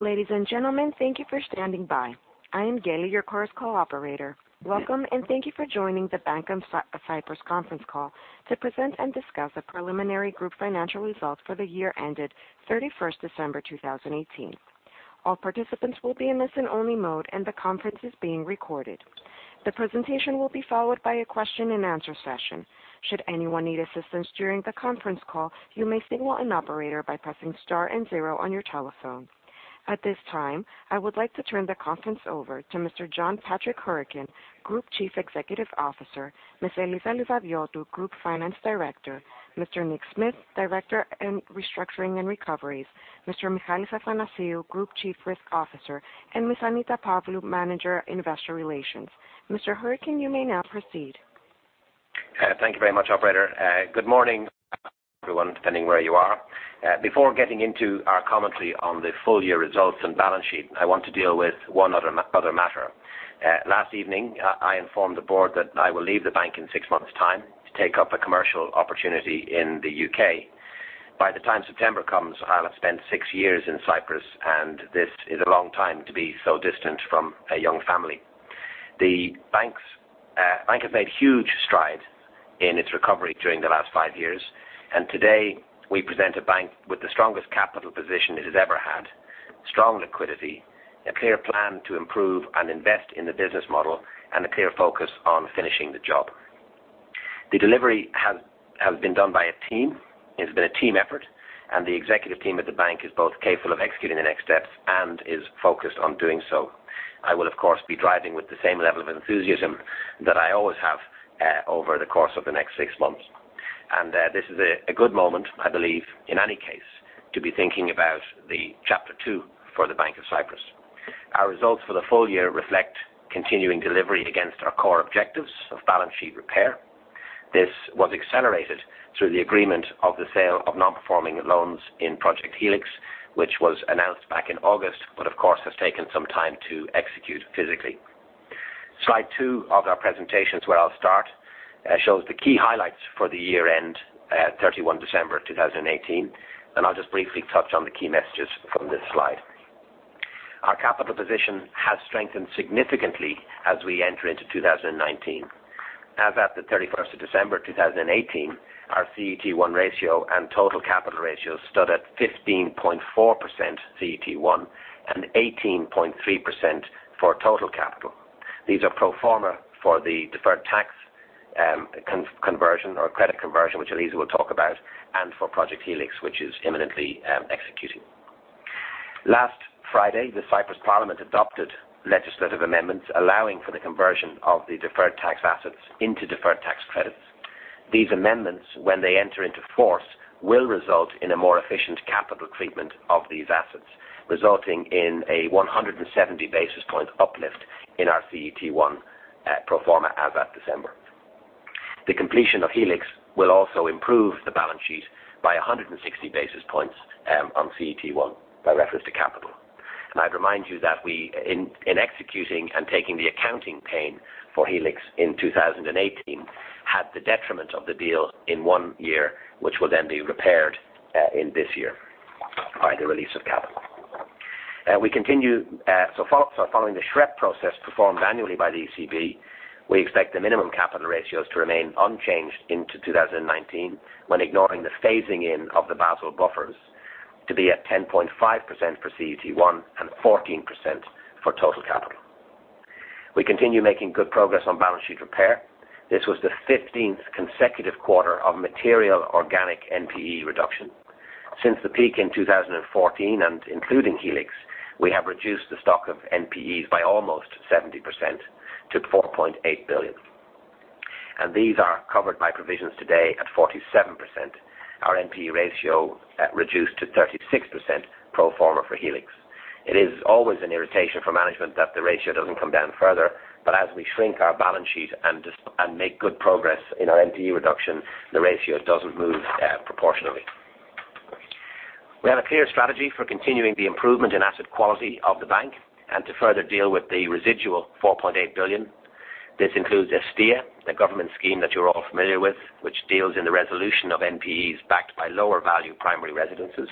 Ladies and gentlemen, thank you for standing by. I am Gailey, your Chorus Call operator. Welcome, and thank you for joining the Bank of Cyprus conference call to present and discuss the preliminary group financial results for the year ended 31st December 2018. All participants will be in listen-only mode, and the conference is being recorded. The presentation will be followed by a question and answer session. Should anyone need assistance during the conference call, you may signal an operator by pressing star and zero on your telephone. At this time, I would like to turn the conference over to Mr. John Patrick Hourican, Group Chief Executive Officer, Ms. Eliza Livadiotou, Group Finance Director, Mr. Nick Smith, Director in Restructuring and Recoveries, Mr. Michalis Athanasiou, Group Chief Risk Officer, and Ms. Annita Pavlou, Manager, Investor Relations. Mr. Hourican, you may now proceed. Thank you very much, operator. Good morning, everyone, depending where you are. Before getting into our commentary on the full year results and balance sheet, I want to deal with one other matter. Last evening, I informed the board that I will leave the bank in six months' time to take up a commercial opportunity in the U.K. By the time September comes, I'll have spent six years in Cyprus, and this is a long time to be so distant from a young family. The bank has made huge strides in its recovery during the last five years, and today we present a bank with the strongest capital position it has ever had, strong liquidity, a clear plan to improve and invest in the business model, and a clear focus on finishing the job. The delivery has been done by a team. It's been a team effort, and the executive team at the bank is both capable of executing the next steps and is focused on doing so. I will, of course, be driving with the same level of enthusiasm that I always have over the course of the next six months. This is a good moment, I believe, in any case, to be thinking about the chapter two for the Bank of Cyprus. Our results for the full year reflect continuing delivery against our core objectives of balance sheet repair. This was accelerated through the agreement of the sale of non-performing loans in Project Helix, which was announced back in August, but of course, has taken some time to execute physically. Slide two of our presentation is where I'll start. It shows the key highlights for the year end at 31 December 2018, and I'll just briefly touch on the key messages from this slide. Our capital position has strengthened significantly as we enter into 2019. As at the 31st of December 2018, our CET1 ratio and total capital ratio stood at 15.4% CET1 and 18.3% for total capital. These are pro forma for the deferred tax conversion or credit conversion, which Eliza will talk about, and for Project Helix, which is imminently executing. Last Friday, the Cyprus parliament adopted legislative amendments allowing for the conversion of the deferred tax assets into deferred tax credits. These amendments, when they enter into force, will result in a more efficient capital treatment of these assets, resulting in a 170 basis point uplift in our CET1 pro forma as at December. The completion of Helix will also improve the balance sheet by 160 basis points on CET1 by reference to capital. I'd remind you that we, in executing and taking the accounting pain for Helix in 2018, had the detriment of the deal in one year, which will then be repaired in this year by the release of capital. Following the SREP process performed annually by the ECB, we expect the minimum capital ratios to remain unchanged into 2019 when ignoring the phasing in of the Basel buffers to be at 10.5% for CET1 and 14% for total capital. We continue making good progress on balance sheet repair. This was the 15th consecutive quarter of material organic NPE reduction. Since the peak in 2014 and including Helix, we have reduced the stock of NPEs by almost 70% to 4.8 billion, and these are covered by provisions today at 47%, our NPE ratio reduced to 36% pro forma for Helix. It is always an irritation for management that the ratio doesn't come down further, as we shrink our balance sheet and make good progress in our NPE reduction, the ratio doesn't move proportionally. We have a clear strategy for continuing the improvement in asset quality of the bank and to further deal with the residual 4.8 billion. This includes Estia, the government scheme that you're all familiar with, which deals in the resolution of NPEs backed by lower value primary residences.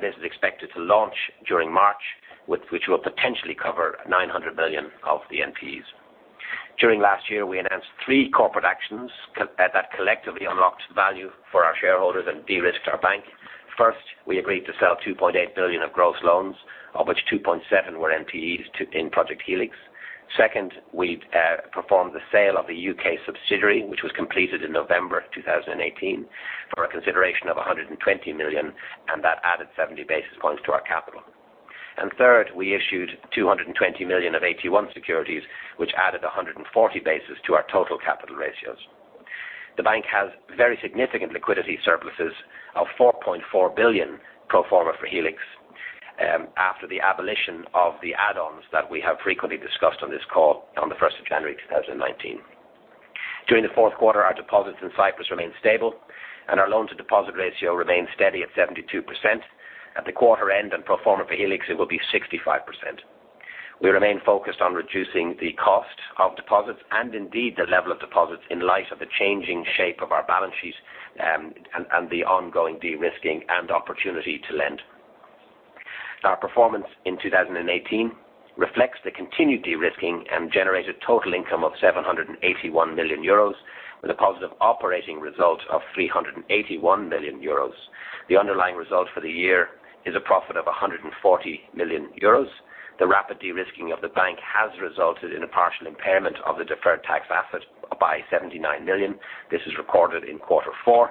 This is expected to launch during March, which will potentially cover 900 million of the NPEs. During last year, we announced 3 corporate actions that collectively unlocked value for our shareholders and de-risked our bank. First, we agreed to sell 2.8 billion of gross loans, of which 2.7 billion were NPEs in Project Helix. Second, we performed the sale of the U.K. subsidiary, which was completed in November 2018 for a consideration of 120 million, and that added 70 basis points to our capital. Third, we issued 220 million of AT1 securities, which added 140 basis to our total capital ratios. The bank has very significant liquidity surpluses of 4.4 billion pro forma for Helix after the abolition of the add-ons that we have frequently discussed on this call on the 1st of January 2019. During the fourth quarter, our deposits in Cyprus remained stable, and our loan-to-deposit ratio remained steady at 72%. At the quarter end and pro forma for Helix, it will be 65%. We remain focused on reducing the cost of deposits and indeed the level of deposits in light of the changing shape of our balance sheets and the ongoing de-risking and opportunity to lend. Our performance in 2018 reflects the continued de-risking and generated total income of 781 million euros with a positive operating result of 381 million euros. The underlying result for the year is a profit of 140 million euros. The rapid de-risking of the bank has resulted in a partial impairment of the deferred tax asset by 79 million. This is recorded in quarter four.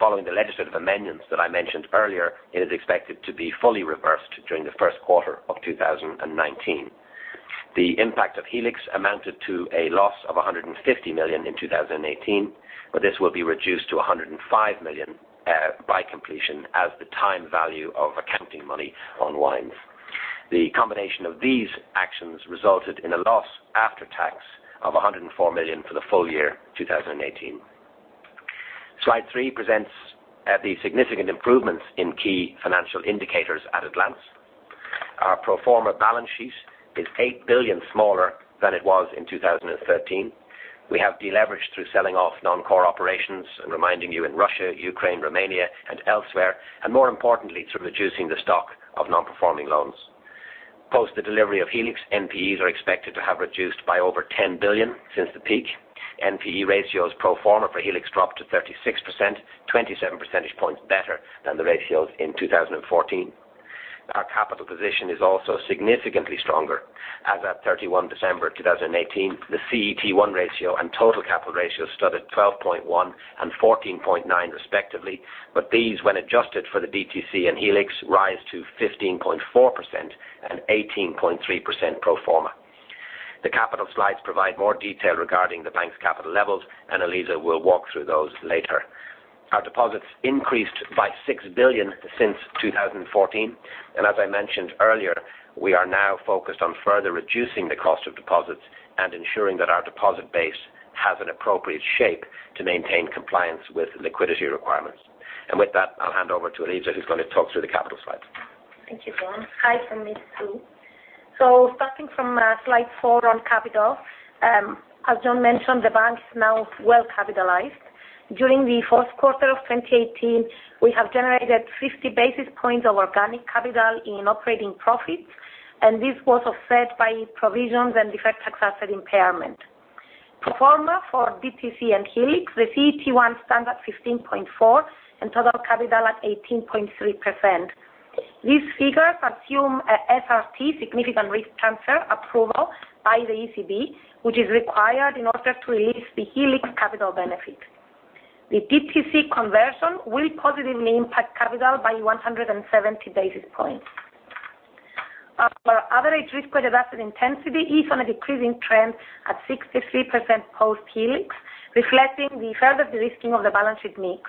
Following the legislative amendments that I mentioned earlier, it is expected to be fully reversed during the first quarter of 2019. The impact of Project Helix amounted to a loss of 150 million in 2018, but this will be reduced to 105 million by completion as the time value of accounting money unwinds. The combination of these actions resulted in a loss after tax of 104 million for the full year 2018. Slide three presents the significant improvements in key financial indicators at a glance. Our pro forma balance sheet is 8 billion smaller than it was in 2013. We have deleveraged through selling off non-core operations, and reminding you in Russia, Ukraine, Romania, and elsewhere, and more importantly, through reducing the stock of non-performing loans. Post the delivery of Project Helix, NPEs are expected to have reduced by over 10 billion since the peak. NPE ratios pro forma for Project Helix dropped to 36%, 27 percentage points better than the ratios in 2014. Our capital position is also significantly stronger. As at 31 December 2018, the CET1 ratio and total capital ratio stood at 12.1% and 14.9% respectively, but these, when adjusted for the DTC and Project Helix, rise to 15.4% and 18.3% pro forma. The capital slides provide more detail regarding the bank's capital levels, and Eliza will walk through those later. Our deposits increased by 6 billion since 2014, and as I mentioned earlier, we are now focused on further reducing the cost of deposits and ensuring that our deposit base has an appropriate shape to maintain compliance with liquidity requirements. And with that, I will hand over to Eliza, who's going to talk through the capital slides. Thank you, John. Hi from me, too. Starting from slide four on capital. As John mentioned, the bank is now well capitalized. During the fourth quarter of 2018, we have generated 50 basis points of organic capital in operating profits, and this was offset by provisions and deferred tax asset impairment. Pro forma for DTC and Project Helix, the CET1 stands at 15.4% and total capital at 18.3%. These figures assume a SRT, significant risk transfer, approval by the ECB, which is required in order to release the Project Helix capital benefit. The DTC conversion will positively impact capital by 170 basis points. Our average risk-weighted asset intensity is on a decreasing trend at 63% post-Project Helix, reflecting the further de-risking of the balance sheet mix.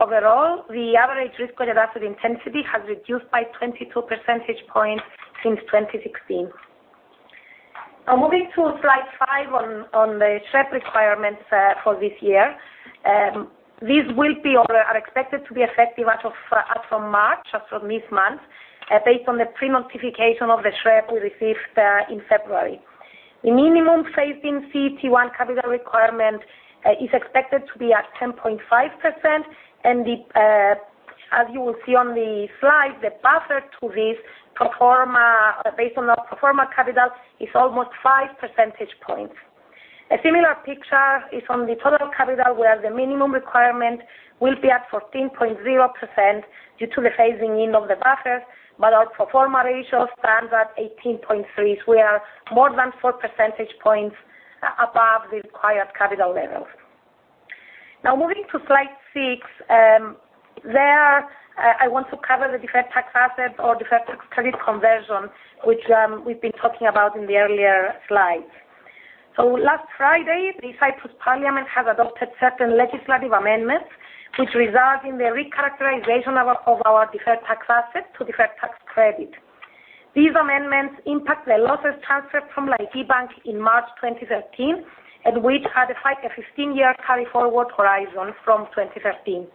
Overall, the average risk-weighted asset intensity has reduced by 22 percentage points since 2016. Now moving to slide five on the SREP requirements for this year. These are expected to be effective as from March, as from this month, based on the pre-notification of the SREP we received in February. The minimum phasing CET1 capital requirement is expected to be at 10.5%, and as you will see on the slide, the buffer to this pro forma, based on the pro forma capital, is almost five percentage points. A similar picture is on the total capital, where the minimum requirement will be at 14.0% due to the phasing in of the buffers, but our pro forma ratio stands at 18.3%, so we are more than four percentage points above the required capital levels. Now moving to slide six. There, I want to cover the deferred tax assets or deferred tax credit conversion, which we've been talking about in the earlier slides. Last Friday, the House of Representatives has adopted certain legislative amendments, which result in the recharacterization of our deferred tax assets to deferred tax credit. These amendments impact the losses transferred from Laiki Bank in March 2013, and which had effect a 15-year carry forward horizon from 2015.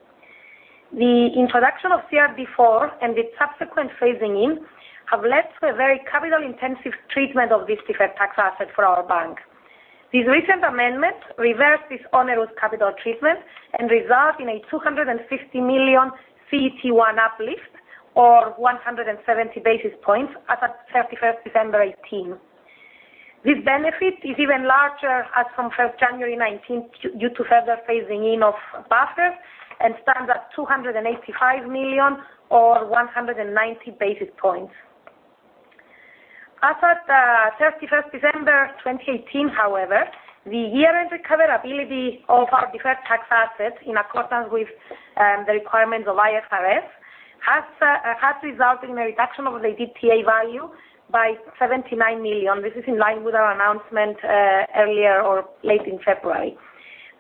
The introduction of CRD IV and the subsequent phasing in have led to a very capital-intensive treatment of this deferred tax asset for our bank. This recent amendment reversed this onerous capital treatment and results in a 250 million CET1 uplift or 170 basis points as at 31st December 2018. This benefit is even larger as from 1st January 2019, due to further phasing in of buffers, and stands at 285 million or 190 basis points. As at 31st December 2018, however, the year-end recoverability of our deferred tax assets in accordance with the requirements of IFRS, has resulted in a reduction of the DTA value by 79 million. This is in line with our announcement late in February.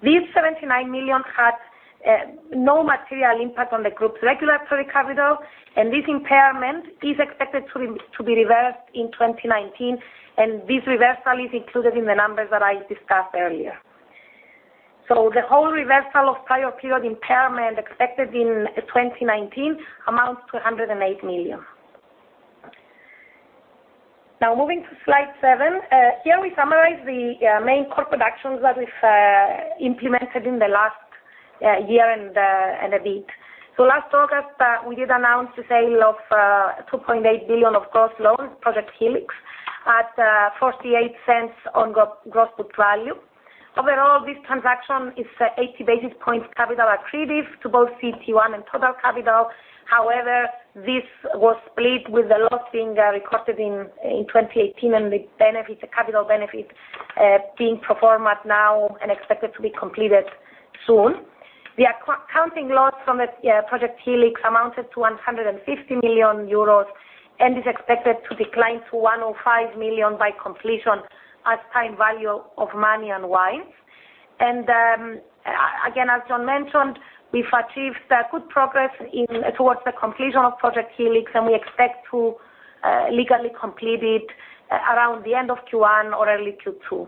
This 79 million had no material impact on the group's regulatory capital, and this impairment is expected to be reversed in 2019, and this reversal is included in the numbers that I discussed earlier. The whole reversal of prior period impairment expected in 2019 amounts to 108 million. Moving to slide seven. Here we summarize the main core productions that we've implemented in the last year and a bit. Last August, we did announce the sale of 2.8 billion of gross loans, Project Helix, at 0.48 on gross book value. Overall, this transaction is 80 basis points capital accretive to both CET1 and total capital. However, this was split with the loss being recorded in 2018 and the capital benefit being pro forma now and expected to be completed soon. The accounting loss from Project Helix amounted to 150 million euros and is expected to decline to 105 million by completion as time value of money and wise. Again, as John mentioned, we've achieved good progress towards the completion of Project Helix, and we expect to legally complete it around the end of Q1 or early Q2.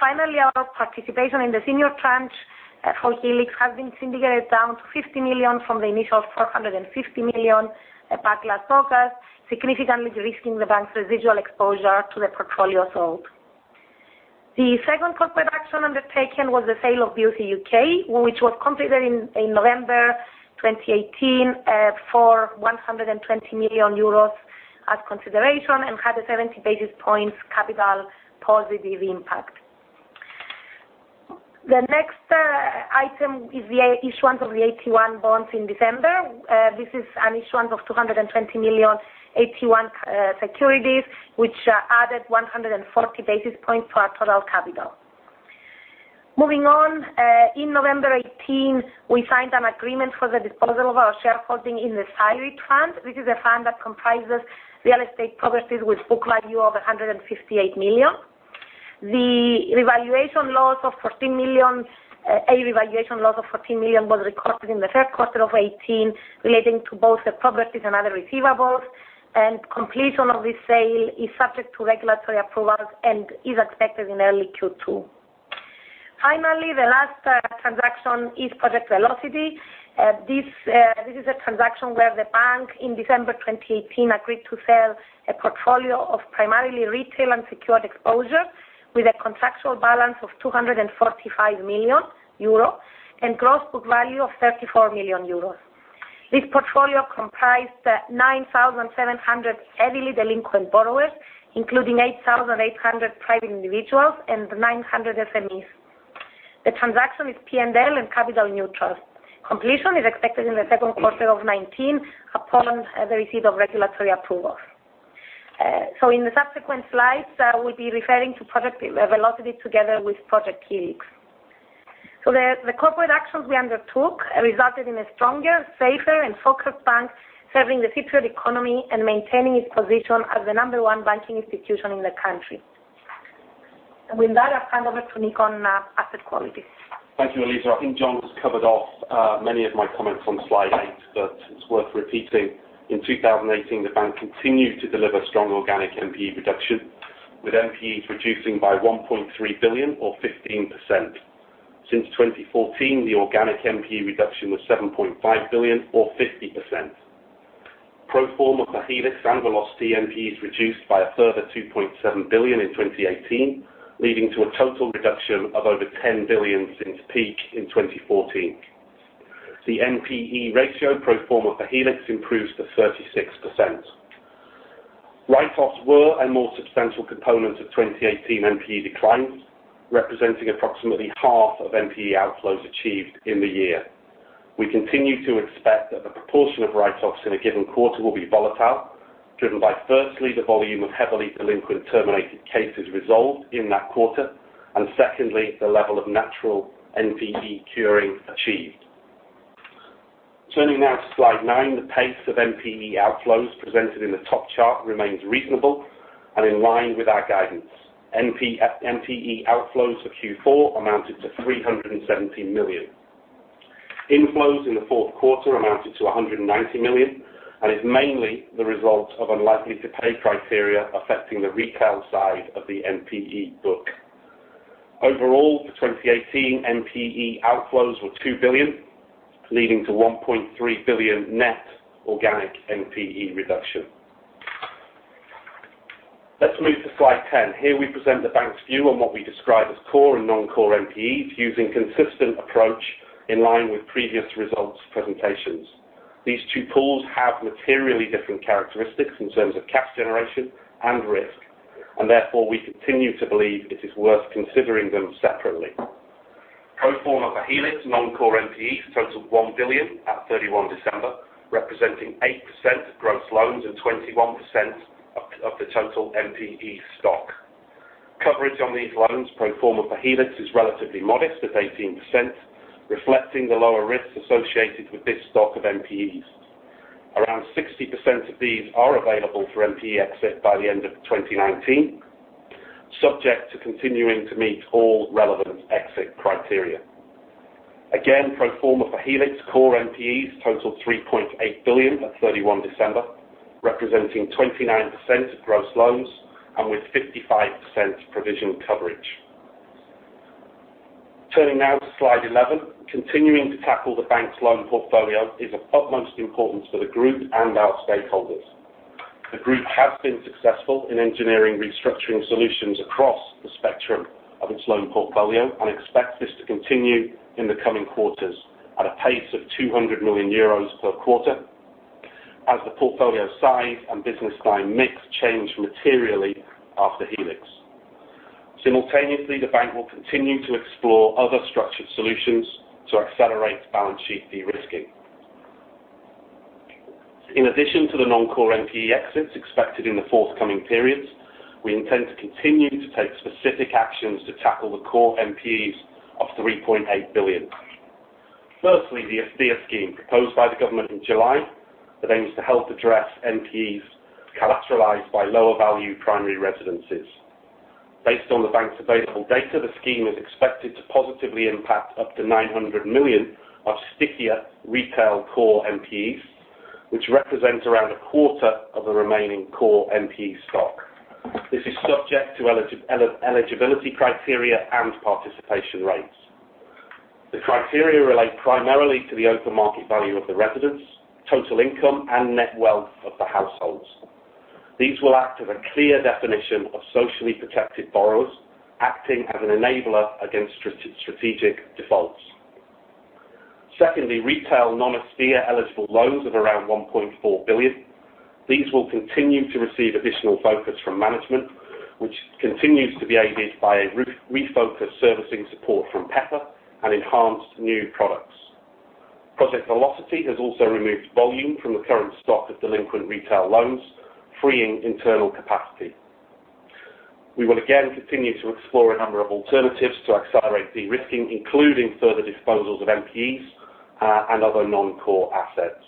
Finally, our participation in the senior tranche for Helix has been syndicated down to 50 million from the initial 450 million back last August, significantly de-risking the bank's residual exposure to the portfolio sold. The second core production undertaken was the sale of BoC UK, which was completed in November 2018 for 120 million euros as consideration and had a 70 basis points capital positive impact. The next item is the issuance of the AT1 bonds in December. This is an issuance of 220 million AT1 securities, which added 140 basis points to our total capital. Moving on, in November 2018, we signed an agreement for the disposal of our shareholding in the Sairy Fund, which is a fund that comprises real estate properties with book value of 158 million. The revaluation loss of 14 million, a revaluation loss of 14 million was recorded in the third quarter of 2018 relating to both the properties and other receivables, and completion of this sale is subject to regulatory approval and is expected in early Q2. Finally, the last transaction is Project Velocity. This is a transaction where the bank, in December 2018, agreed to sell a portfolio of primarily retail and secured exposure with a contractual balance of 245 million euro and gross book value of 34 million euros. This portfolio comprised 9,700 heavily delinquent borrowers, including 8,800 private individuals and 900 SMEs. The transaction is P&L and capital neutral. Completion is expected in the second quarter of 2019, upon the receipt of regulatory approval. So in the subsequent slides, I will be referring to Project Velocity together with Project Helix. The corporate actions we undertook resulted in a stronger, safer and focused bank serving the Cypriot economy and maintaining its position as the number one banking institution in the country. And with that, I'll hand over to Nick on asset quality. Thank you, Eliza. I think John's covered off many of my comments on slide eight, but it's worth repeating. In 2018, the bank continued to deliver strong organic NPE reduction, with NPEs reducing by 1.3 billion or 15%. Since 2014, the organic NPE reduction was 7.5 billion or 50%. Pro forma for Helix and Velocity, NPE is reduced by a further 2.7 billion in 2018, leading to a total reduction of over 10 billion since peak in 2014. The NPE ratio pro forma for Helix improves to 36%. Write-offs were a more substantial component of 2018 NPE declines, representing approximately half of NPE outflows achieved in the year. We continue to expect that the proportion of write-offs in a given quarter will be volatile, driven by firstly, the volume of heavily delinquent terminated cases resolved in that quarter, and secondly, the level of natural NPE curing achieved. Turning now to slide nine, the pace of NPE outflows presented in the top chart remains reasonable and in line with our guidance. NPE outflows for Q4 amounted to 370 million. Inflows in the fourth quarter amounted to 190 million and is mainly the result of unlikely to pay criteria affecting the retail side of the NPE book. Overall, for 2018, NPE outflows were 2 billion, leading to 1.3 billion net organic NPE reduction. Let's move to slide 10. Here we present the bank's view on what we describe as core and non-core NPEs using consistent approach in line with previous results presentations. These two pools have materially different characteristics in terms of cash generation and risk, and therefore we continue to believe it is worth considering them separately. Pro forma for Helix, non-core NPEs total 1 billion at 31 December, representing 8% of gross loans and 21% of the total NPE stock. Coverage on these loans pro forma for Helix is relatively modest at 18%, reflecting the lower risks associated with this stock of NPEs. Around 60% of these are available for NPE exit by the end of 2019, subject to continuing to meet all relevant exit criteria. Again, pro forma for Helix core NPEs totaled 3.8 billion at 31 December, representing 29% of gross loans, and with 55% provision coverage. Turning now to slide 11. Continuing to tackle the bank's loan portfolio is of utmost importance for the group and our stakeholders. The group has been successful in engineering restructuring solutions across the spectrum of its loan portfolio, expects this to continue in the coming quarters at a pace of 200 million euros per quarter, as the portfolio size and business line mix change materially after Helix. Simultaneously, the bank will continue to explore other structured solutions to accelerate balance sheet de-risking. In addition to the non-core NPE exits expected in the forthcoming periods, we intend to continue to take specific actions to tackle the core NPEs of 3.8 billion. The Estia scheme proposed by the government in July that aims to help address NPEs collateralized by lower value primary residences. Based on the bank's available data, the scheme is expected to positively impact up to 900 million of stickier retail core NPEs, which represents around a quarter of the remaining core NPE stock. This is subject to eligibility criteria and participation rates. The criteria relate primarily to the open market value of the residence, total income, and net wealth of the households. These will act as a clear definition of socially protected borrowers, acting as an enabler against strategic defaults. Retail non-Estia eligible loans of around 1.4 billion. These will continue to receive additional focus from management, which continues to be aided by a refocused servicing support from Pepper, and enhanced new products. Project Velocity has also removed volume from the current stock of delinquent retail loans, freeing internal capacity. We will again continue to explore a number of alternatives to accelerate de-risking, including further disposals of NPEs, and other non-core assets.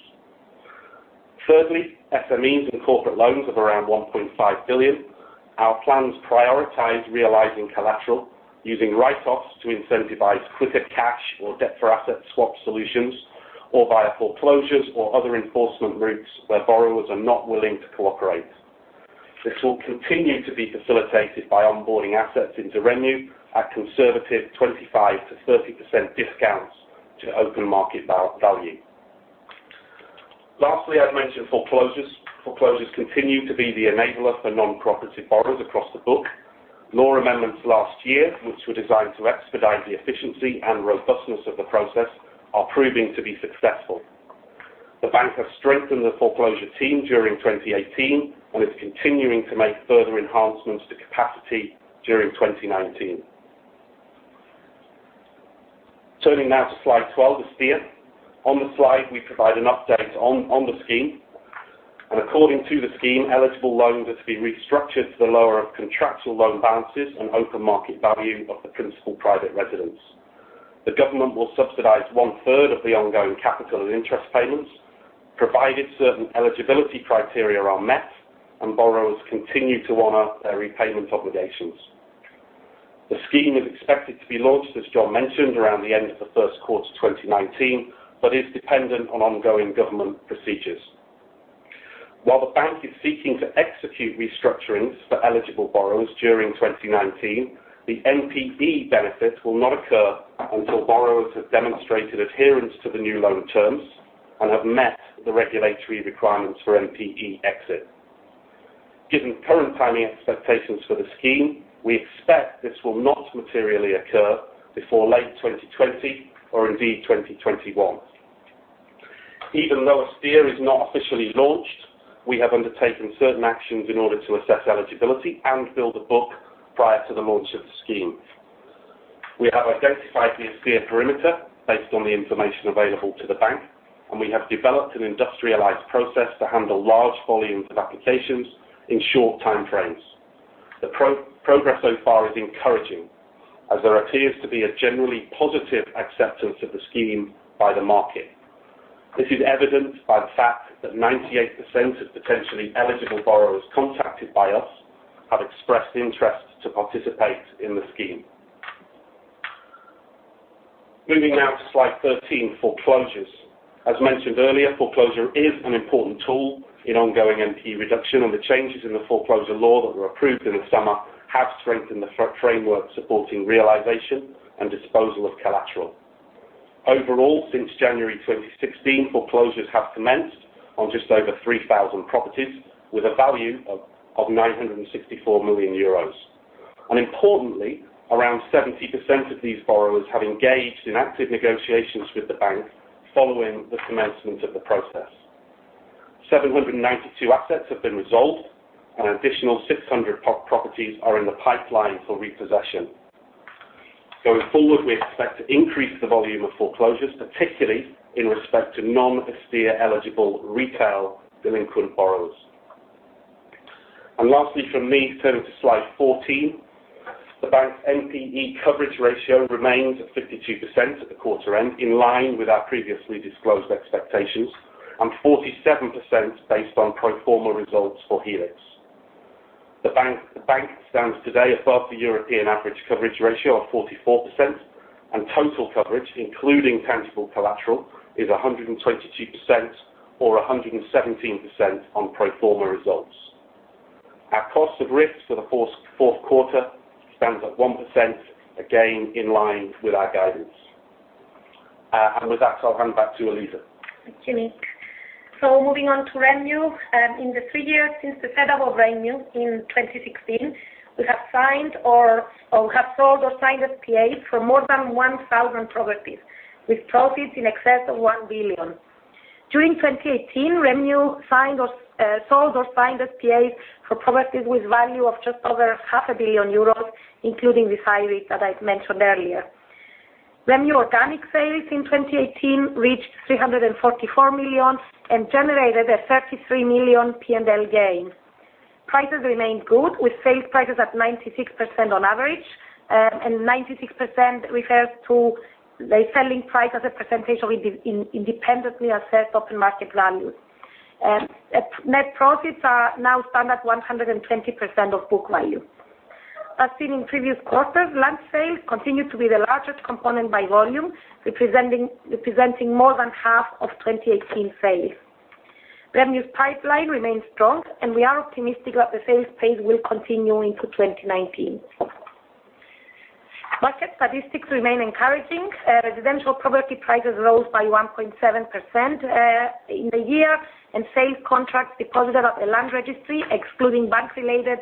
SMEs and corporate loans of around 1.5 billion. Our plans prioritize realizing collateral using write-offs to incentivize quicker cash or debt for asset swap solutions, or via foreclosures or other enforcement routes where borrowers are not willing to cooperate. This will continue to be facilitated by onboarding assets into REMU at conservative 25%-30% discounts to open market value. I'd mention foreclosures. Foreclosures continue to be the enabler for non-cooperative borrowers across the book. Law amendments last year, which were designed to expedite the efficiency and robustness of the process, are proving to be successful. The bank has strengthened the foreclosure team during 2018 and is continuing to make further enhancements to capacity during 2019. Turning now to slide 12, Estia. On the slide, we provide an update on the scheme, according to the scheme, eligible loans are to be restructured to the lower of contractual loan balances and open market value of the principal private residence. The government will subsidize one-third of the ongoing capital and interest payments, provided certain eligibility criteria are met and borrowers continue to honor their repayment obligations. The scheme is expected to be launched, as John mentioned, around the end of the first quarter 2019, but is dependent on ongoing government procedures. While the bank is seeking to execute restructurings for eligible borrowers during 2019, the NPE benefit will not occur until borrowers have demonstrated adherence to the new loan terms and have met the regulatory requirements for NPE exit. Given current timing expectations for the scheme, we expect this will not materially occur before late 2020 or indeed 2021. Even though Estia is not officially launched, we have undertaken certain actions in order to assess eligibility and build a book prior to the launch of the scheme. We have identified the Estia perimeter based on the information available to the bank, and we have developed an industrialized process to handle large volumes of applications in short time frames. The progress so far is encouraging, as there appears to be a generally positive acceptance of the scheme by the market. This is evidenced by the fact that 98% of potentially eligible borrowers contacted by us have expressed interest to participate in the scheme. Moving now to slide 13, foreclosures. As mentioned earlier, foreclosure is an important tool in ongoing NPE reduction. The changes in the foreclosure law that were approved in the summer have strengthened the framework supporting realization and disposal of collateral. Overall, since January 2016, foreclosures have commenced on just over 3,000 properties with a value of 964 million euros. Importantly, around 70% of these borrowers have engaged in active negotiations with the bank following the commencement of the process. 792 assets have been resolved and an additional 600 properties are in the pipeline for repossession. Going forward, we expect to increase the volume of foreclosures, particularly in respect to non-Estia eligible retail delinquent borrowers. Lastly from me, turning to slide 14. The bank's NPE coverage ratio remains at 52% at the quarter end, in line with our previously disclosed expectations, and 47% based on pro forma results for Helix. The bank stands today above the European average coverage ratio of 44%, and total coverage, including tangible collateral, is 122% or 117% on pro forma results. Our cost of risk for the fourth quarter stands at 1%, again in line with our guidance. With that, I'll hand back to Eliza. Thank you, Nick. Moving on to REMU. In the three years since the set up of REMU in 2016, we have sold or signed SPAs for more than 1,000 properties with profits in excess of 1 billion. During 2018, REMU sold or signed SPAs for properties with value of just over half a billion EUR, including the [highlight] that I mentioned earlier. REMU organic sales in 2018 reached 344 million and generated a 33 million P&L gain. Prices remained good with sales prices at 96% on average, and 96% refers to the selling price as a percentage of independently assessed open market value. Net profits are now stand at 120% of book value. As seen in previous quarters, land sale continued to be the largest component by volume, representing more than half of 2018 sales. REMU's pipeline remains strong. We are optimistic that the sales pace will continue into 2019. Market statistics remain encouraging. Residential property prices rose by 1.7% in the year, and sales contracts deposited at the land registry, excluding bank-related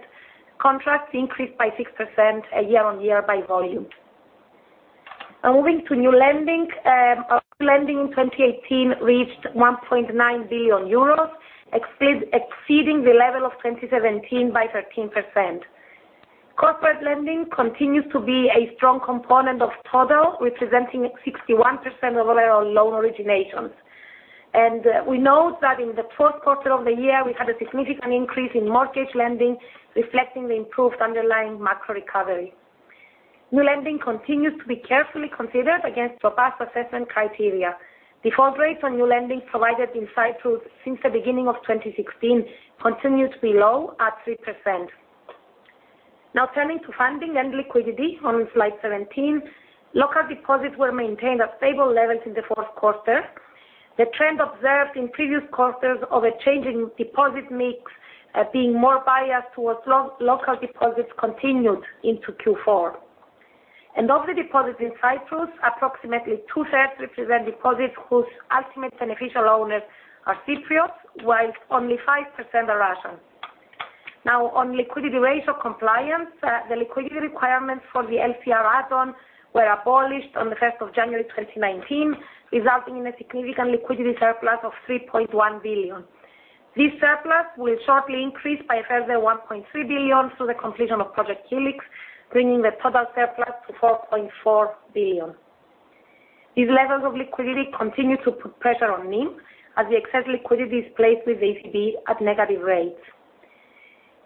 contracts, increased by 6% year-on-year by volume. Moving to new lending. Our lending in 2018 reached 1.9 billion euros, exceeding the level of 2017 by 13%. Corporate lending continues to be a strong component of total, representing 61% of all our loan originations. We note that in the fourth quarter of the year, we had a significant increase in mortgage lending, reflecting the improved underlying macro recovery. New lending continues to be carefully considered against robust assessment criteria. Default rates on new lending provided in Cyprus since the beginning of 2016 continue to be low at 3%. Turning to funding and liquidity on slide 17. Local deposits were maintained at stable levels in the fourth quarter. The trend observed in previous quarters of a change in deposit mix, being more biased towards local deposits, continued into Q4. Of the deposits in Cyprus, approximately two-thirds represent deposits whose ultimate beneficial owners are Cypriots, while only 5% are Russian. On liquidity ratio compliance, the liquidity requirements for the LCR add-on were abolished on the 1st of January 2019, resulting in a significant liquidity surplus of 3.1 billion. This surplus will shortly increase by a further 1.3 billion through the completion of Project Helix, bringing the total surplus to 4.4 billion. These levels of liquidity continue to put pressure on NIM, as the excess liquidity is placed with ECB at negative rates.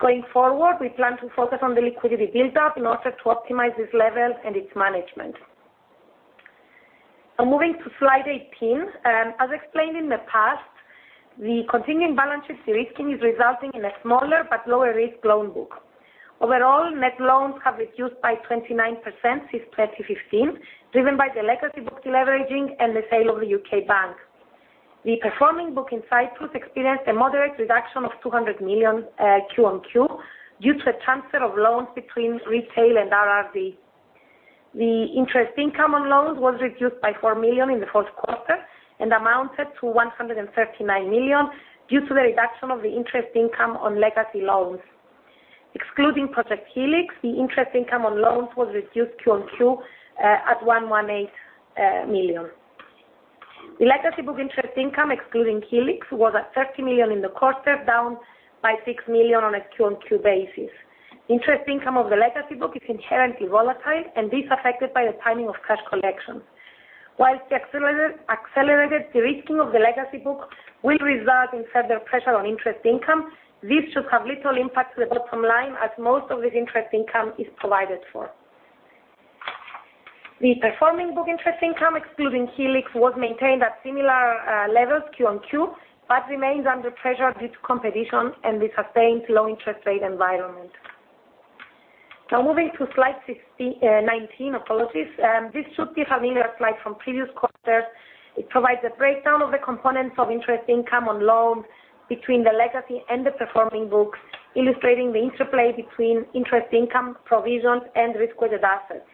Going forward, we plan to focus on the liquidity buildup in order to optimize this level and its management. Moving to slide 18. As explained in the past, the continuing balance sheet risking is resulting in a smaller but lower-risk loan book. Overall, net loans have reduced by 29% since 2015, driven by the legacy book deleveraging and the sale of the U.K. bank. The performing book in Cyprus experienced a moderate reduction of 200 million Q-on-Q due to a transfer of loans between retail and RRD. The interest income on loans was reduced by 4 million in the fourth quarter and amounted to 139 million due to the reduction of the interest income on legacy loans. Excluding Project Helix, the interest income on loans was reduced Q-on-Q at 118 million. The legacy book interest income, excluding Helix, was at 30 million in the quarter, down by 6 million on a Q-on-Q basis. The accelerated de-risking of the legacy book will result in further pressure on interest income, this should have little impact to the bottom line as most of this interest income is provided for. The performing book interest income, excluding Helix, was maintained at similar levels Q-on-Q, but remains under pressure due to competition and the sustained low interest rate environment. Moving to slide 19. This should be a familiar slide from previous quarters. It provides a breakdown of the components of interest income on loans between the legacy and the performing books, illustrating the interplay between interest income, provisions and risk-weighted assets.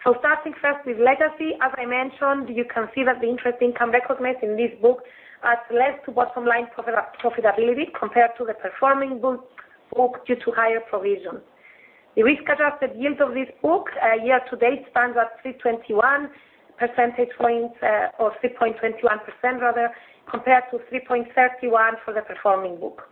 Starting first with legacy, as I mentioned, you can see that the interest income recognized in this book adds less to bottom-line profitability compared to the performing book due to higher provisions. The risk-adjusted yield of this book year to date stands at 3.21% compared to 3.31% for the performing book.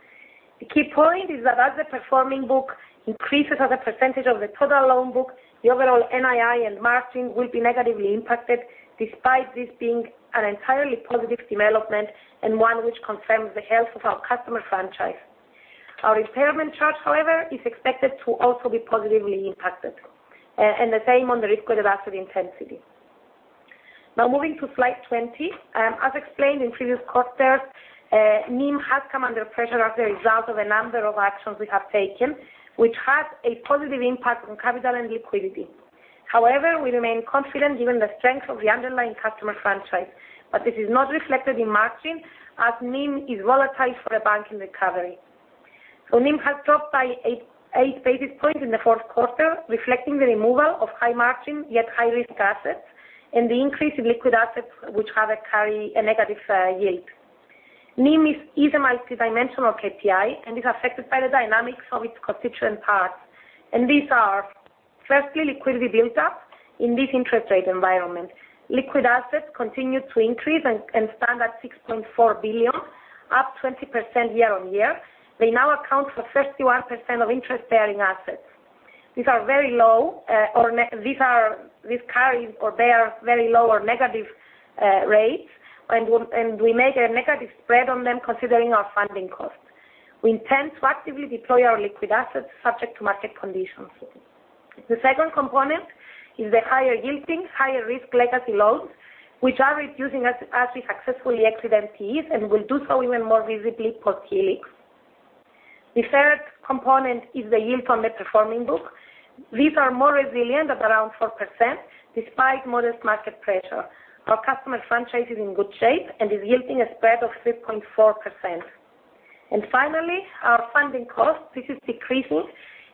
The key point is that as the performing book increases as a percentage of the total loan book, the overall NII and margin will be negatively impacted despite this being an entirely positive development and one which confirms the health of our customer franchise. Our impairment charge, however, is expected to also be positively impacted, and the same on the risk-adjusted asset intensity. Moving to slide 20. As explained in previous quarters, NIM has come under pressure as a result of a number of actions we have taken, which has a positive impact on capital and liquidity. We remain confident given the strength of the underlying customer franchise, this is not reflected in margin as NIM is volatile for the bank in recovery. NIM has dropped by eight basis points in the fourth quarter, reflecting the removal of high margin, yet high-risk assets, and the increase in liquid assets, which carry a negative yield. NIM is a multi-dimensional KPI and is affected by the dynamics of its constituent parts. These are, firstly, liquidity built up in this interest rate environment. Liquid assets continue to increase and stand at 6.4 billion, up 20% year-on-year. They now account for 31% of interest-bearing assets. These carry or bear very low or negative rates, and we make a negative spread on them considering our funding cost. We intend to actively deploy our liquid assets subject to market conditions. The second component is the higher yielding, higher risk legacy loans, which are reducing as we successfully exit NPEs and will do so even more visibly post Helix. The third component is the yield on the performing book. These are more resilient at around 4%, despite modest market pressure. Our customer franchise is in good shape and is yielding a spread of 3.4%. Finally, our funding cost, this is decreasing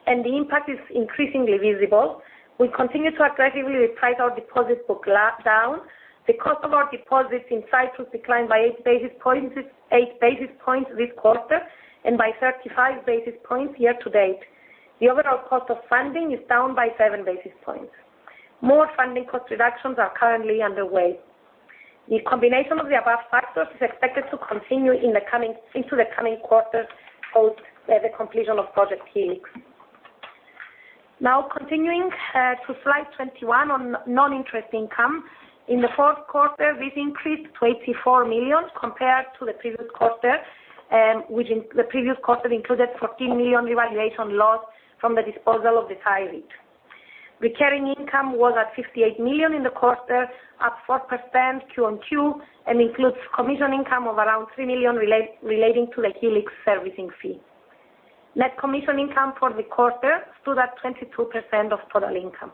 and the impact is increasingly visible. We continue to aggressively price our deposits book down. The customer deposits in Cyprus declined by eight basis points this quarter and by 35 basis points year to date. The overall cost of funding is down by seven basis points. More funding cost reductions are currently underway. The combination of the above factors is expected to continue into the coming quarters post the completion of Project Helix. Continuing to slide 21 on non-interest income. In the fourth quarter, this increased to 84 million compared to the previous quarter, which the previous quarter included 14 million revaluation loss from the disposal of the CYREIT. Recurring income was at 58 million in the quarter, up 4% Q on Q, and includes commission income of around 3 million relating to the Helix servicing fee. Net commission income for the quarter stood at 22% of total income.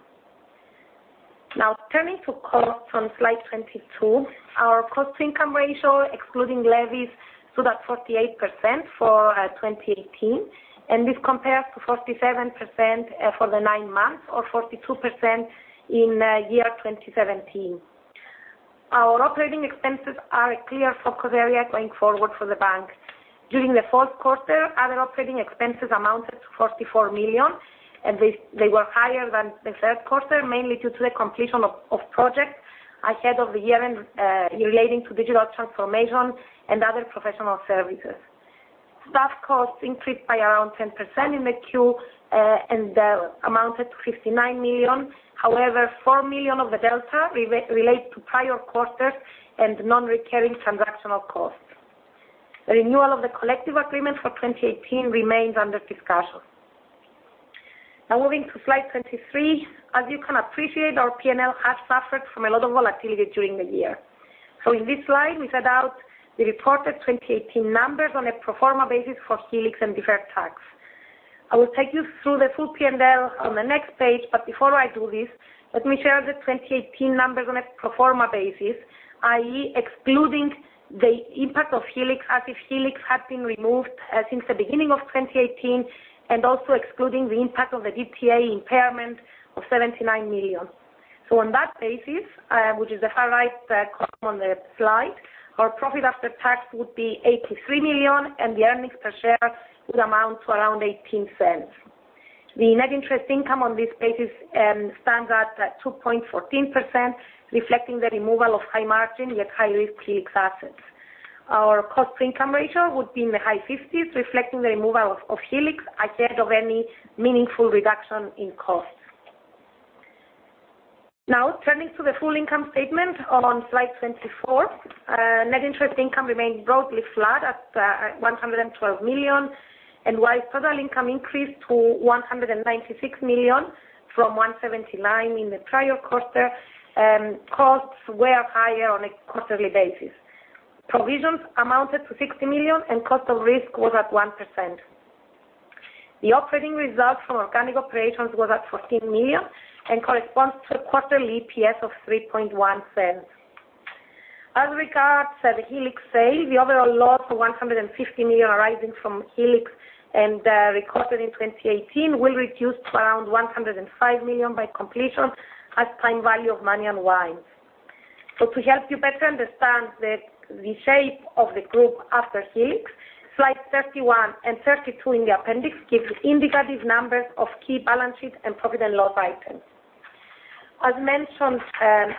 Turning to costs on slide 22, our cost-to-income ratio, excluding levies, stood at 48% for 2018, and this compares to 47% for the nine months or 42% in year 2017. Our operating expenses are a clear focus area going forward for the bank. During the fourth quarter, our operating expenses amounted to 44 million, and they were higher than the third quarter, mainly due to the completion of projects ahead of the year-end relating to digital transformation and other professional services. Staff costs increased by around 10% in the Q and amounted to 59 million. However, 4 million of the delta relate to prior quarters and non-recurring transactional costs. The renewal of the collective agreement for 2018 remains under discussion. Moving to slide 23. As you can appreciate, our P&L has suffered from a lot of volatility during the year. In this slide, we set out the reported 2018 numbers on a pro forma basis for Helix and deferred tax. I will take you through the full P&L on the next page, but before I do this, let me share the 2018 numbers on a pro forma basis, i.e., excluding the impact of Helix, as if Helix had been removed since the beginning of 2018, and also excluding the impact of the DTA impairment of 79 million. On that basis, which is the far right column on the slide, our profit after tax would be 83 million and the earnings per share would amount to around 0.18. The net interest income on this basis stands at 2.14%, reflecting the removal of high margin, yet high-risk Helix assets. Our cost-to-income ratio would be in the high 50s, reflecting the removal of Helix ahead of any meaningful reduction in cost. Turning to the full income statement on slide 24. Net interest income remained broadly flat at 112 million. While total income increased to 196 million from 179 in the prior quarter, costs were higher on a quarterly basis. Provisions amounted to 60 million, and cost of risk was at 1%. The operating result from organic operations was at 14 million and corresponds to a quarterly EPS of 0.0310. As regards the Helix sale, the overall loss of 150 million arising from Helix and recorded in 2018 will reduce to around 105 million by completion as time value of money unwinds. To help you better understand the shape of the group after Helix, slides 31 and 32 in the appendix give indicative numbers of key balance sheet and profit and loss items. As mentioned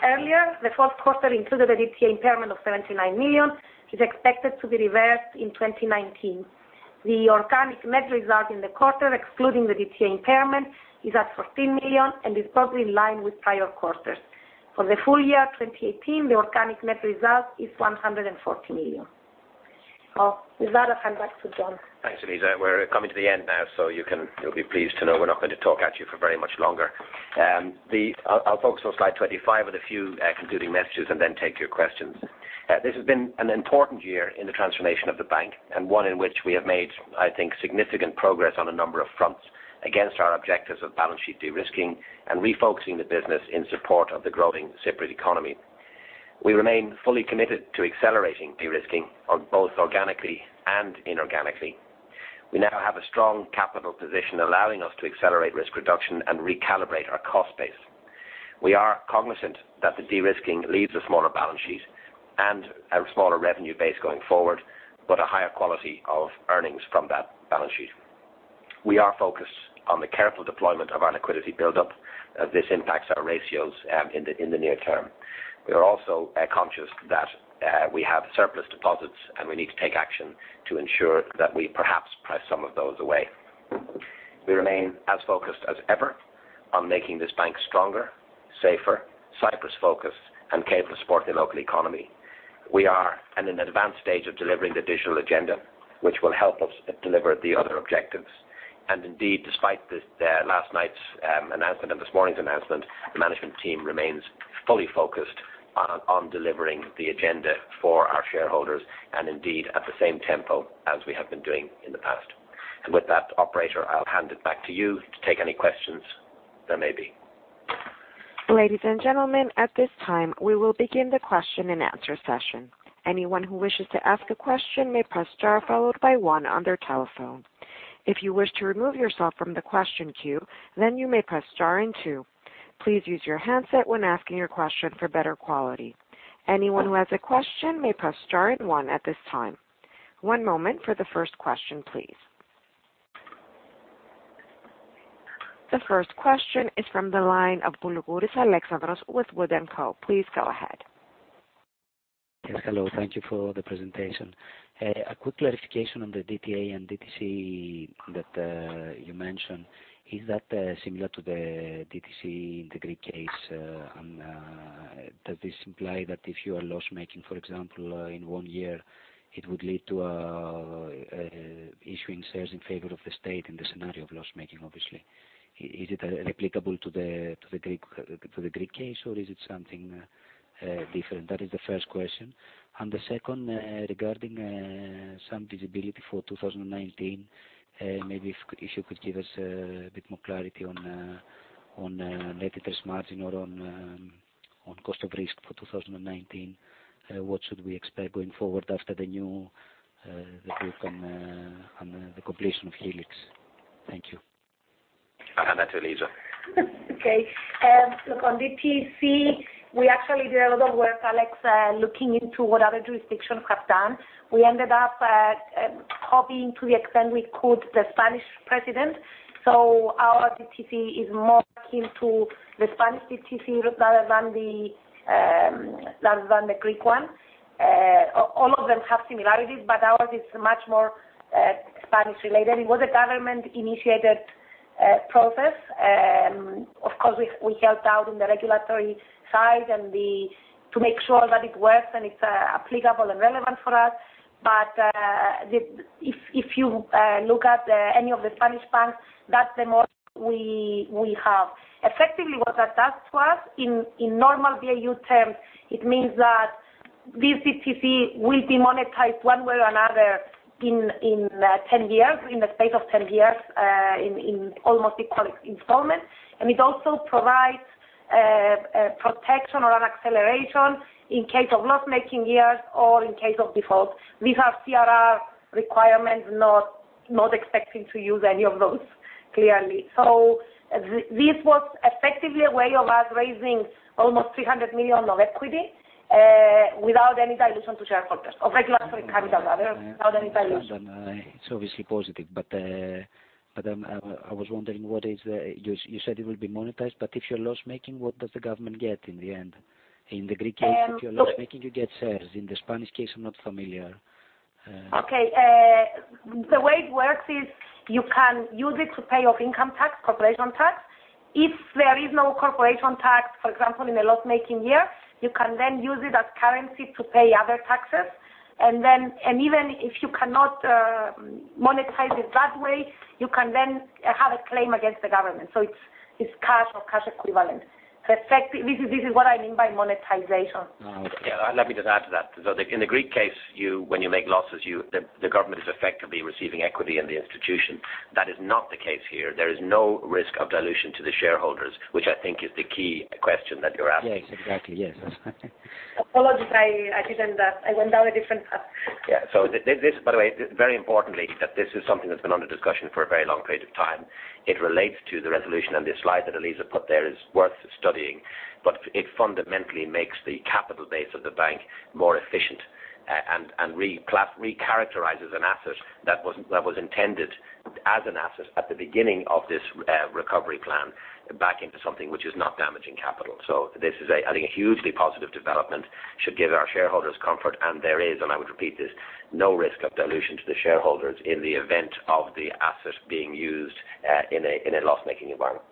earlier, the fourth quarter included a DTA impairment of 79 million, which is expected to be reversed in 2019. The organic net result in the quarter, excluding the DTA impairment, is at 14 million and is broadly in line with prior quarters. For the full year 2018, the organic net result is 114 million. With that, I'll hand back to John. Thanks, Eliza. We are coming to the end now, so you will be pleased to know we are not going to talk at you for very much longer. I will focus on slide 25 with a few concluding messages and then take your questions. This has been an important year in the transformation of the bank and one in which we have made, I think, significant progress on a number of fronts against our objectives of balance sheet de-risking and refocusing the business in support of the growing Cypriot economy. We remain fully committed to accelerating de-risking on both organically and inorganically. We now have a strong capital position allowing us to accelerate risk reduction and recalibrate our cost base. We are cognizant that the de-risking leaves a smaller balance sheet and a smaller revenue base going forward, but a higher quality of earnings from that balance sheet. We are focused on the careful deployment of our liquidity buildup. This impacts our ratios in the near term. We are also conscious that we have surplus deposits, and we need to take action to ensure that we perhaps press some of those away. We remain as focused as ever on making this bank stronger, safer, Cyprus-focused, and capable of supporting the local economy. We are at an advanced stage of delivering the digital agenda, which will help us deliver the other objectives. Indeed, despite last night's announcement and this morning's announcement, the management team remains fully focused on delivering the agenda for our shareholders and indeed at the same tempo as we have been doing in the past. With that, operator, I will hand it back to you to take any questions there may be. Ladies and gentlemen, at this time, we will begin the question-and-answer session. Anyone who wishes to ask a question may press star followed by one on their telephone. If you wish to remove yourself from the question queue, then you may press star and two. Please use your handset when asking your question for better quality. Anyone who has a question may press star and one at this time. One moment for the first question, please. The first question is from the line of Alexandros Boulougouris with Wood & Company. Please go ahead. Yes, hello. Thank you for the presentation. A quick clarification on the DTA and DTC that you mentioned. Is that similar to the DTC in the Greek case? Does this imply that if you are loss-making, for example, in one year, it would lead to issuing shares in favor of the state in the scenario of loss-making, obviously. Is it applicable to the Greek case, or is it something different? That is the first question. The second, regarding some visibility for 2019, maybe if you could give us a bit more clarity on net interest margin or on cost of risk for 2019. What should we expect going forward after the new, the group on the completion of Helix? Thank you. I'll hand that to Eliza. Look on DTC, we actually did a lot of work, Alex, looking into what other jurisdictions have done. We ended up copying to the extent we could the Spanish precedent. Our DTC is more akin to the Spanish DTC rather than the Greek one. All of them have similarities, but ours is much more Spanish-related. It was a government-initiated process. Of course, we helped out in the regulatory side and to make sure that it works and it's applicable and relevant for us. If you look at any of the Spanish banks, that's the most we have. Effectively, what that does to us, in normal value terms, it means that this DTC will be monetized one way or another in the space of 10 years, in almost equal installments. It also provides protection or an acceleration in case of loss-making years or in case of default. These are CRR requirements, not expecting to use any of those, clearly. This was effectively a way of us raising almost 300 million of equity without any dilution to shareholders or regulatory capital, rather, without any dilution. It's obviously positive, I was wondering, you said it will be monetized, if you're loss-making, what does the government get in the end? In the Greek case- Look- if you're loss-making, you get shares. In the Spanish case, I'm not familiar. Okay. The way it works is you can use it to pay off income tax, corporation tax. If there is no corporation tax, for example, in a loss-making year, you can then use it as currency to pay other taxes. Even if you cannot monetize it that way, you can then have a claim against the government. It's cash or cash equivalent. This is what I mean by monetization. All right. Yeah. Let me just add to that. In the Greek case, when you make losses, the government is effectively receiving equity in the institution. That is not the case here. There is no risk of dilution to the shareholders, which I think is the key question that you're asking. Yes, exactly. Yes. Apologies, I went down a different path. Yeah. This, by the way, very importantly, that this is something that's been under discussion for a very long period of time. It relates to the resolution, and the slide that Eliza put there is worth studying, but it fundamentally makes the capital base of the bank more efficient and recharacterizes an asset that was intended as an asset at the beginning of this recovery plan back into something which is not damaging capital. This is, I think, a hugely positive development, should give our shareholders comfort, and there is, and I would repeat this, no risk of dilution to the shareholders in the event of the asset being used in a loss-making environment.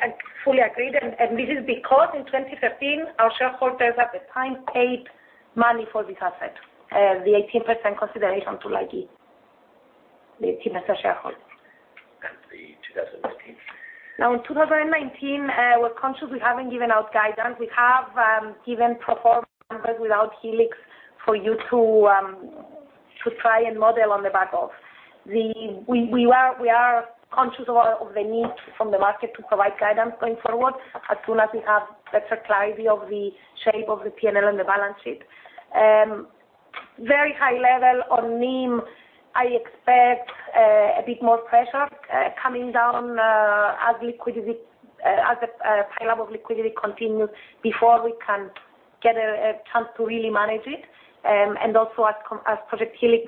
I fully agree. This is because in 2013, our shareholders at the time paid money for this asset, the 18% consideration to Laiki, the 18% shareholder. The 2019. In 2019, we're conscious we haven't given out guidance. We have given pro forma numbers without Helix for you to try and model on the back of. We are conscious of the need from the market to provide guidance going forward as soon as we have better clarity of the shape of the P&L and the balance sheet. Very high level on NIM, I expect a bit more pressure coming down as the pile up of liquidity continues before we can get a chance to really manage it, and also as Project Helix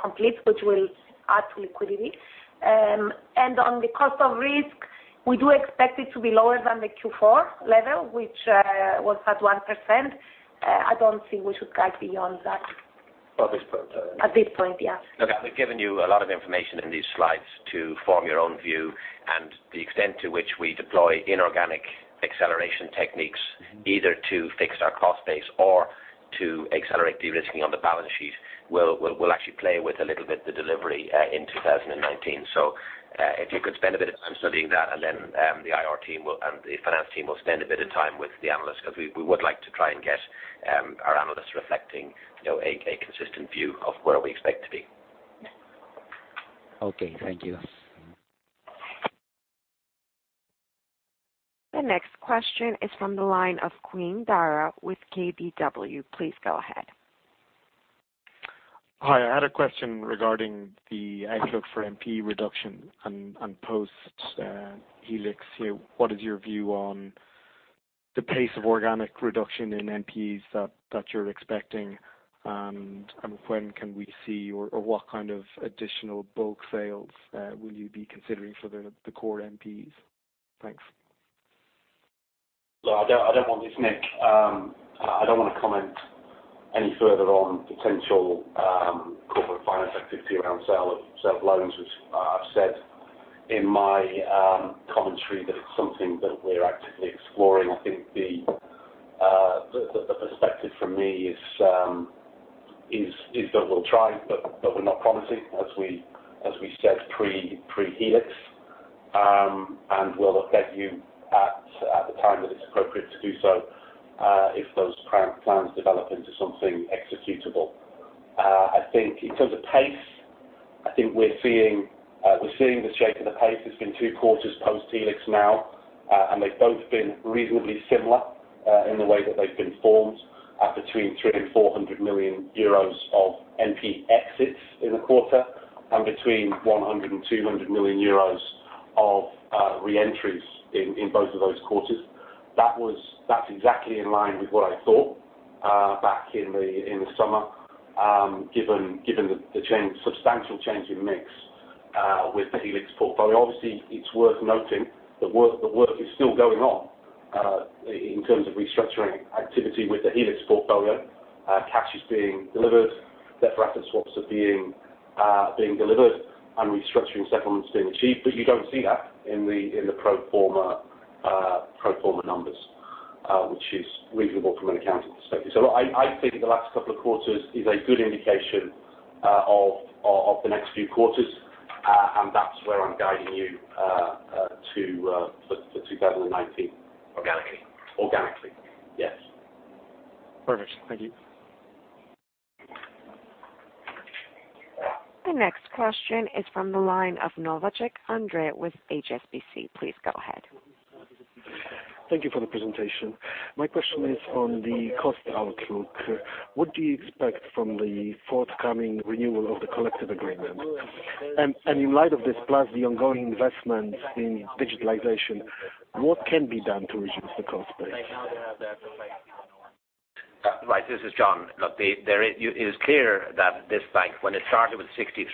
completes, which will add to liquidity. On the cost of risk, we do expect it to be lower than the Q4 level, which was at 1%. I don't think we should guide beyond that. At this point. At this point, yeah. We've given you a lot of information in these slides to form your own view and the extent to which we deploy inorganic acceleration techniques, either to fix our cost base or to accelerate de-risking on the balance sheet will actually play with a little bit the delivery in 2019. If you could spend a bit of time studying that and then the IR team and the finance team will spend a bit of time with the analysts because we would like to try and get our analysts reflecting a consistent view of where we expect to be. Thank you. The next question is from the line of Glyn Dara with KBW. Please go ahead. Hi, I had a question regarding the outlook for NPE reduction on post Helix. What is your view on the pace of organic reduction in NPEs that you're expecting? When can we see, or what kind of additional bulk sales will you be considering for the core NPEs? Thanks. Look, it's Nick. I don't want to comment any further on potential corporate finance activity around sale of loans, which I've said in my commentary that it's something that we're actively exploring. I think the perspective from me is that we'll try, but we're not promising, as we said pre-Helix. We'll update you at the time that it's appropriate to do so if those plans develop into something executable. I think in terms of pace, I think we're seeing the shape of the pace. It's been two quarters post Helix now, and they've both been reasonably similar in the way that they've been formed at between 300 million and 400 million euros of NPE exits in the quarter and between 100 million euros and 200 million euros of reentries in both of those quarters. That's exactly in line with what I thought back in the summer given the substantial change in mix with the Helix portfolio. Obviously, it's worth noting the work is still going on in terms of restructuring activity with the Helix portfolio. Cash is being delivered, debt for asset swaps are being delivered, and restructuring settlements being achieved. You don't see that in the pro forma numbers, which is reasonable from an accounting perspective. I think the last couple of quarters is a good indication of the next few quarters, and that's where I'm guiding you for 2019. Organically. Organically, yes. Perfect. Thank you. The next question is from the line of Andrej Novacek with HSBC. Please go ahead. Thank you for the presentation. My question is on the cost outlook. What do you expect from the forthcoming renewal of the collective agreement? In light of this, plus the ongoing investment in digitalization, what can be done to reduce the cost base? Right. This is John. Look, it is clear that this bank, when it started with 63%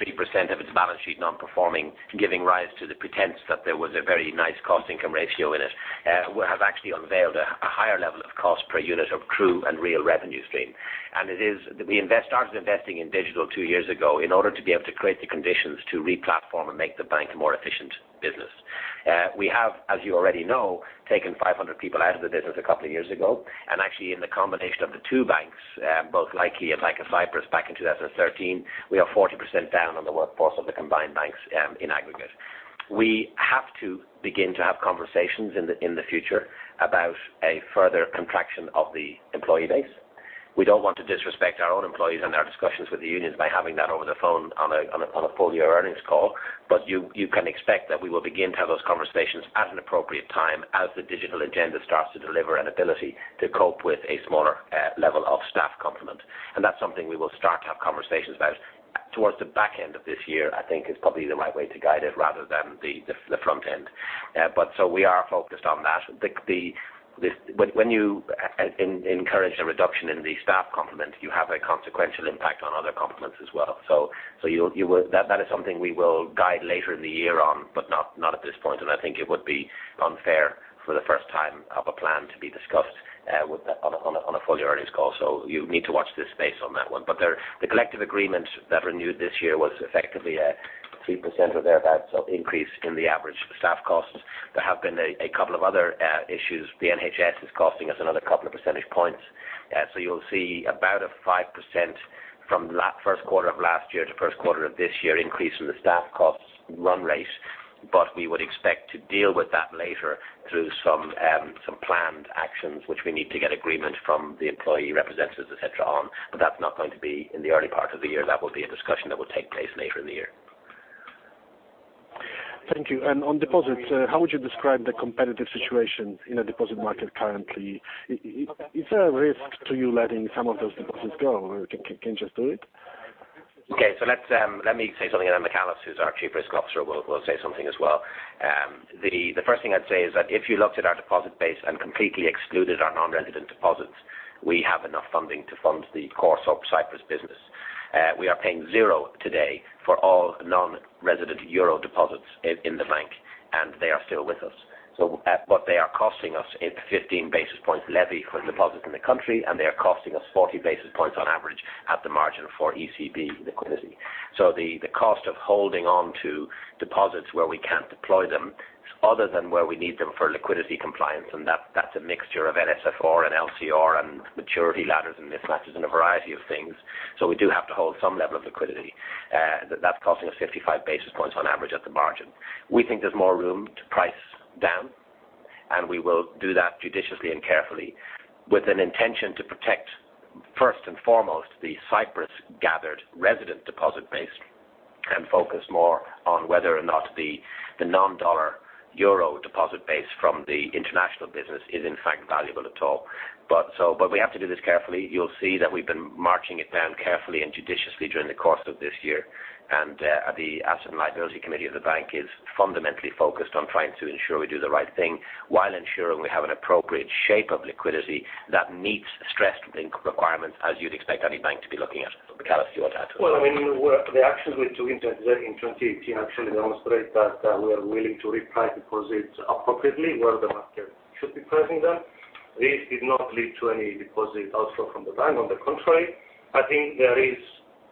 of its balance sheet non-performing, giving rise to the pretense that there was a very nice cost income ratio in it, has actually unveiled a higher level of cost per unit of true and real revenue stream. We started investing in digital two years ago in order to be able to create the conditions to re-platform and make the bank a more efficient business. We have, as you already know, taken 500 people out of the business a couple of years ago. Actually in the combination of the two banks, both Laiki and Bank of Cyprus back in 2013, we are 40% down on the workforce of the combined banks in aggregate. We have to begin to have conversations in the future about a further contraction of the employee base. We don't want to disrespect our own employees and our discussions with the unions by having that over the phone on a full-year earnings call. You can expect that we will begin to have those conversations at an appropriate time as the digital agenda starts to deliver an ability to cope with a smaller level of staff complement. That's something we will start to have conversations about towards the back end of this year, I think is probably the right way to guide it rather than the front end. We are focused on that. When you encourage a reduction in the staff complement, you have a consequential impact on other complements as well. That is something we will guide later in the year on, but not at this point. I think it would be unfair for the first time of a plan to be discussed on a full-year earnings call. You need to watch this space on that one. The collective agreement that renewed this year was effectively a 3% or thereabouts of increase in the average staff costs. There have been a couple of other issues. The NHS is costing us another couple of percentage points. You'll see about a 5% from first quarter of last year to first quarter of this year increase in the staff costs run rate. We would expect to deal with that later through some planned actions, which we need to get agreement from the employee representatives, et cetera, on. That's not going to be in the early part of the year. That will be a discussion that will take place later in the year. Thank you. On deposits, how would you describe the competitive situation in the deposit market currently? Is there a risk to you letting some of those deposits go, or can you just do it? Okay. Let me say something, and then Michalis, who's our Chief Risk Officer, will say something as well. The first thing I'd say is that if you looked at our deposit base and completely excluded our non-resident deposits, we have enough funding to fund the core Cyprus business. We are paying zero today for all non-resident euro deposits in the bank, and they are still with us. They are costing us a 15 basis points levy for deposits in the country, and they are costing us 40 basis points on average at the margin for ECB liquidity. The cost of holding on to deposits where we can't deploy them, other than where we need them for liquidity compliance, and that's a mixture of NSFR and LCR and maturity ladders and mismatches and a variety of things. We do have to hold some level of liquidity. That's costing us 55 basis points on average at the margin. We think there's more room to price down, and we will do that judiciously and carefully with an intention to protect, first and foremost, the Cyprus-gathered resident deposit base and focus more on whether or not the non-dollar euro deposit base from the international business is in fact valuable at all. We have to do this carefully. You'll see that we've been marching it down carefully and judiciously during the course of this year. The asset and liability committee of the bank is fundamentally focused on trying to ensure we do the right thing while ensuring we have an appropriate shape of liquidity that meets stress requirement as you'd expect any bank to be looking at. Michalis, do you want to add to that? Well, the actions we took in 2018 actually demonstrate that we are willing to reprice deposits appropriately where the market should be pricing them. This did not lead to any deposit outflow from the bank. On the contrary, I think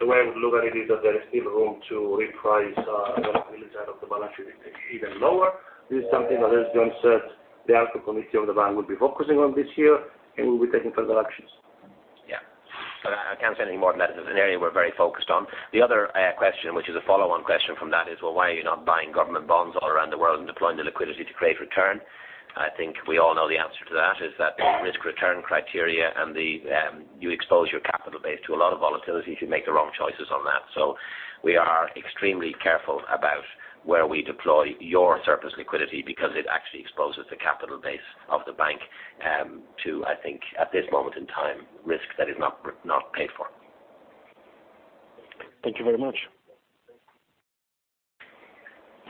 the way I would look at it is that there is still room to reprice our liquidity side of the balance sheet even lower. This is something that, as John said, the ALCO committee of the bank will be focusing on this year, and we'll be taking further actions. Yeah. I can't say any more than that. It's an area we're very focused on. The other question, which is a follow-on question from that, is, well, why are you not buying government bonds all around the world and deploying the liquidity to create return? I think we all know the answer to that is that there's risk return criteria, and you expose your capital base to a lot of volatility if you make the wrong choices on that. We are extremely careful about where we deploy your surplus liquidity because it actually exposes the capital base of the bank to, I think at this moment in time, risk that is not paid for. Thank you very much.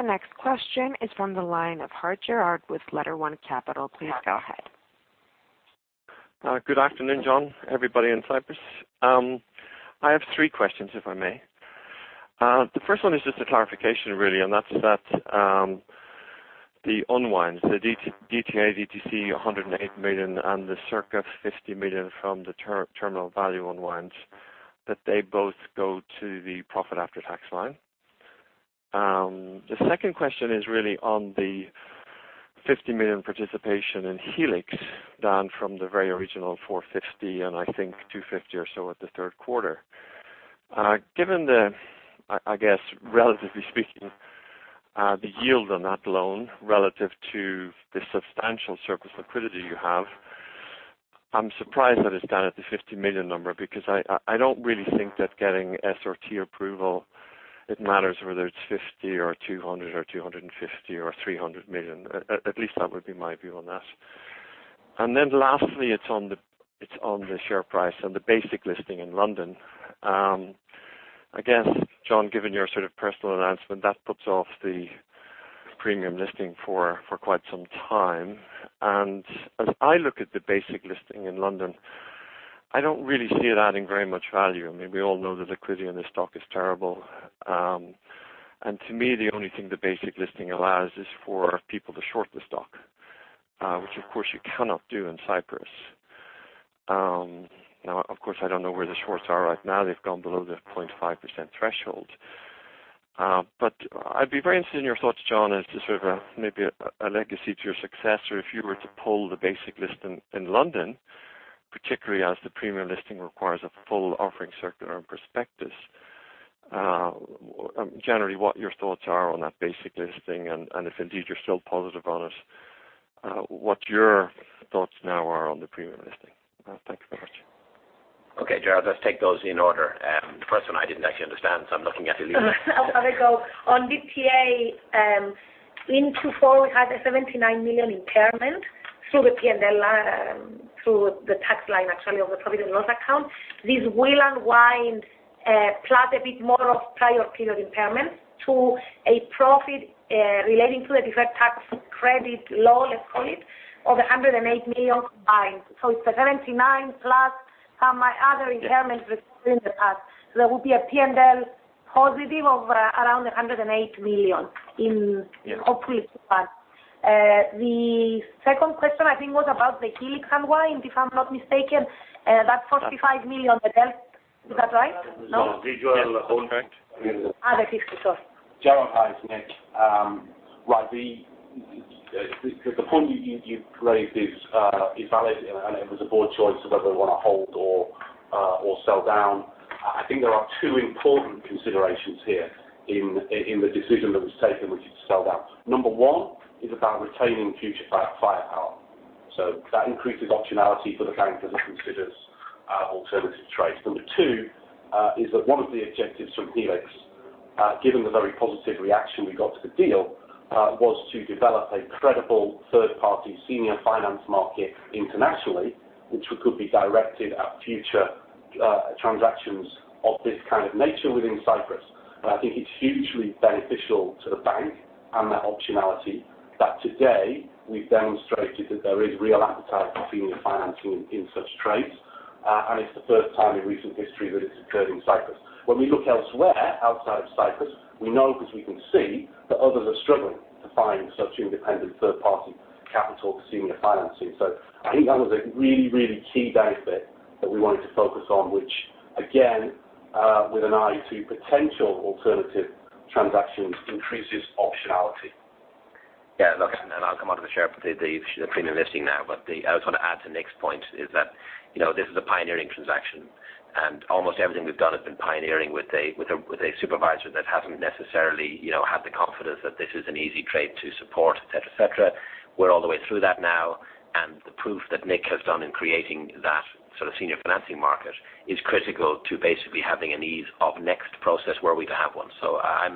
The next question is from the line of Gerard Hart with LetterOne Capital. Please go ahead. Good afternoon, John, everybody in Cyprus. I have three questions, if I may. The first one is just a clarification, really, that's the unwind, DTA, DTC, 108 million, and the circa 50 million from the terminal value unwinds, that they both go to the profit after tax line. The second question is really on the 50 million participation in Helix down from the very original 450 million and I think 250 million or so at the third quarter. Given the, I guess, relatively speaking, the yield on that loan relative to the substantial surplus liquidity you have, I'm surprised that it's down at the 50 million number, because I don't really think that getting SRT approval, it matters whether it's 50 or 200 or 250 or 300 million. At least that would be my view on that. Lastly, it's on the share price and the basic listing in London. I guess, John, given your sort of personal announcement, that puts off the premium listing for quite some time. As I look at the basic listing in London, I don't really see it adding very much value. I mean, we all know the liquidity in the stock is terrible. To me, the only thing the basic listing allows is for people to short the stock, which of course you cannot do in Cyprus. Of course, I don't know where the shorts are right now. They've gone below the 0.5% threshold. I'd be very interested in your thoughts, John, as to sort of maybe a legacy to your successor if you were to pull the basic listing in London, particularly as the premium listing requires a full offering circular and prospectus. Generally, what your thoughts are on that basic listing, and if indeed you're still positive on it, what your thoughts now are on the premium listing. Thanks very much. Okay, Gerard, let's take those in order. The first one I didn't actually understand, so I'm looking at Eliza. I'll have a go. On DTA, in Q4 we had a 79 million impairment through the P&L, through the tax line, actually, of the profit and loss account. This will unwind plus a bit more of prior period impairment to a profit relating to a deferred tax credit, let's call it, of 108 million combined. It's the 79 plus some other impairments recorded in the past. There will be a P&L positive of around 108 million in hopefully Q1. The second question, I think, was about the Project Helix, if I'm not mistaken, that 45 million, the debt. Is that right? No? Did you have a follow-up, Nick? Other people, sorry. Gerard, hi, it's Nick. Right. The point you've raised is valid, and it was a board choice of whether we want to hold or sell down. I think there are two important considerations here in the decision that was taken, which is to sell down. Number one is about retaining future firepower. That increases optionality for the bank as it considers alternative trades. Number two is that one of the objectives from Helix, given the very positive reaction we got to the deal, was to develop a credible third-party senior finance market internationally, which could be directed at future transactions of this kind of nature within Cyprus. I think it's hugely beneficial to the bank and that optionality that today we've demonstrated that there is real appetite for senior financing in such trades, and it's the first time in recent history that it's occurred in Cyprus. When we look elsewhere, outside of Cyprus, we know because we can see that others are struggling to find such independent third-party capital for senior financing. I think that was a really, really key benefit that we wanted to focus on, which again, with an eye to potential alternative transactions, increases optionality. Yeah, look, I'll come onto the share of the premium listing now, but I just want to add to Nick's point is that this is a pioneering transaction, and almost everything we've done has been pioneering with a supervisor that hasn't necessarily had the confidence that this is an easy trade to support, et cetera. We're all the way through that now, and the proof that Nick has done in creating that senior financing market is critical to basically having an ease of next process where we can have one. As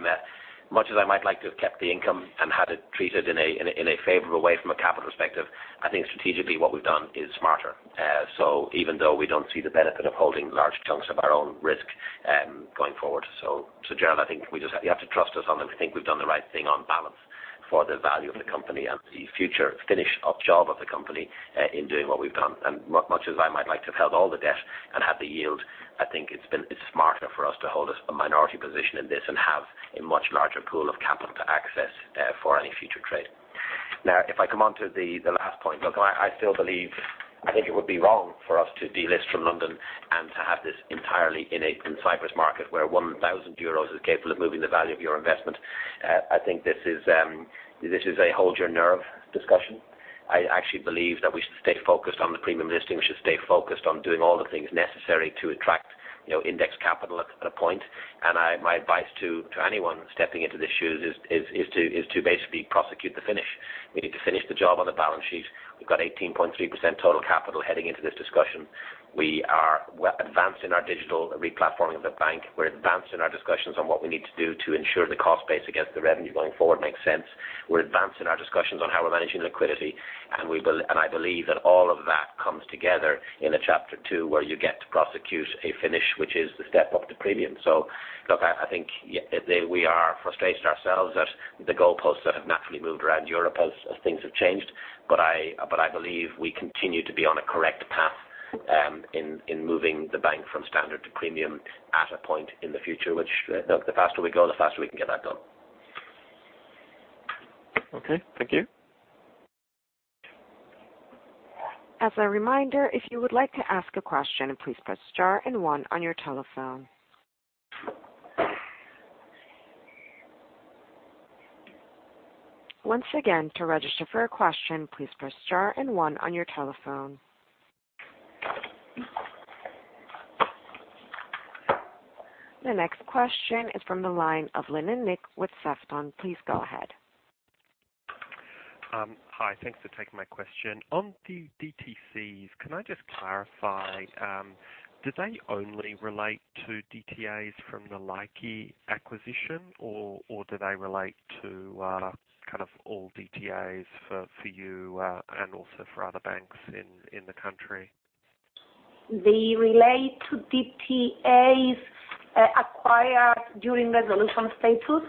much as I might like to have kept the income and had it treated in a favorable way from a capital perspective, I think strategically what we've done is smarter. Even though we don't see the benefit of holding large chunks of our own risk going forward. Gerard, I think you have to trust us on them. I think we've done the right thing on balance for the value of the company and the future finish of job of the company in doing what we've done. Much as I might like to have held all the debt and had the yield, I think it's smarter for us to hold a minority position in this and have a much larger pool of capital to access for any future trade. If I come on to the last point, look, I think it would be wrong for us to delist from London and to have this entirely in a Cyprus market where 1,000 euros is capable of moving the value of your investment. I think this is a hold your nerve discussion. I actually believe that we should stay focused on the premium listing. We should stay focused on doing all the things necessary to attract index capital at a point. My advice to anyone stepping into these shoes is to basically prosecute the finish. We need to finish the job on the balance sheet. We've got 18.3% total capital heading into this discussion. We are advancing our digital re-platforming of the bank. We're advancing our discussions on what we need to do to ensure the cost base against the revenue going forward makes sense. We're advancing our discussions on how we're managing liquidity, and I believe that all of that comes together in a chapter two where you get to prosecute a finish, which is the step up to premium. Look, I think we are frustrated ourselves at the goalposts that have naturally moved around Europe as things have changed. I believe we continue to be on a correct path in moving the bank from standard to premium at a point in the future, which the faster we go, the faster we can get that done. Okay. Thank you. As a reminder, if you would like to ask a question, please press star and one on your telephone. Once again, to register for a question, please press star and one on your telephone. The next question is from the line of Nick with Sefton. Please go ahead. Hi. Thanks for taking my question. On the DTCs, can I just clarify, do they only relate to DTAs from the Laiki acquisition, or do they relate to kind of all DTAs for you and also for other banks in the country? They relate to DTAs acquired during resolution status.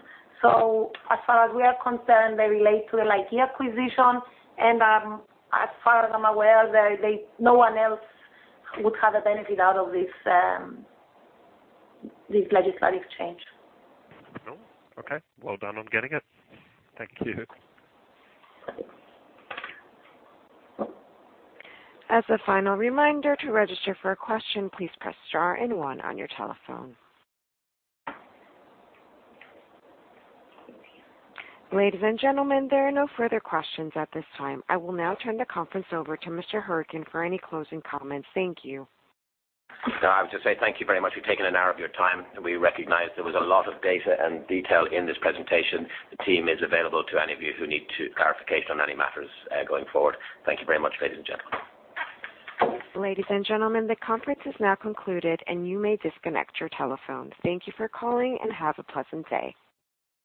As far as we are concerned, they relate to a Laiki acquisition, and as far as I'm aware, no one else would have a benefit out of this legislative change. No. Okay. Well done on getting it. Thank you. As a final reminder, to register for a question, please press star and one on your telephone. Ladies and gentlemen, there are no further questions at this time. I will now turn the conference over to Mr. Hourican for any closing comments. Thank you. No, I would just say thank you very much for taking an hour of your time. We recognize there was a lot of data and detail in this presentation. The team is available to any of you who need clarification on any matters going forward. Thank you very much, ladies and gentlemen. Ladies and gentlemen, the conference is now concluded, and you may disconnect your telephone. Thank you for calling, and have a pleasant day.